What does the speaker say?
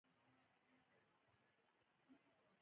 خو احمقو انسانانو ورڅخه ټوپک او ټانکونه جوړ کړل